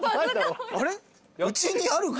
あれ？